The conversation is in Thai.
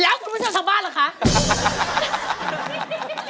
แล้วคุณผู้ชมชาวบ้านเหรอคะ